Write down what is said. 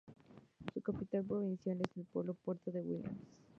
Su capital provincial es el pueblo de Puerto Williams.